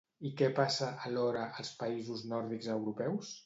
I què passa, alhora, als països nòrdics europeus?